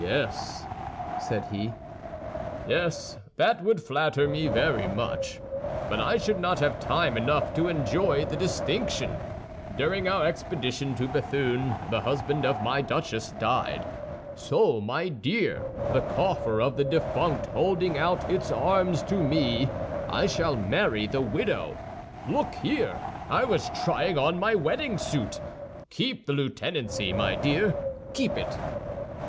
"Yes," said he, "yes, that would flatter me very much; but I should not have time enough to enjoy the distinction. During our expedition to Béthune the husband of my duchess died; so, my dear, the coffer of the defunct holding out its arms to me, I shall marry the widow. Look here! I was trying on my wedding suit. Keep the lieutenancy, my dear, keep it."